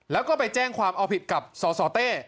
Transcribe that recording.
แล้วก็ไปแจ้งความเอาผิดกับสสเต้